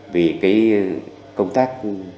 vì cái công tác